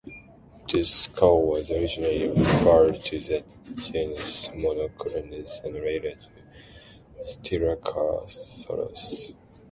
This skull was originally referred to the genus "Monoclonius" and later to "Styracosaurus".